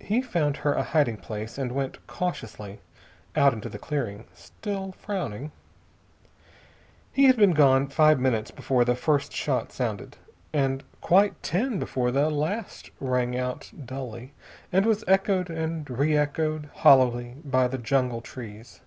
He found her a hiding place and went cautiously out into the clearing, still frowning. He had been gone five minutes before the first shot sounded, and quite ten before the last rang out dully, and was echoed and re echoed hollowly by the jungle trees.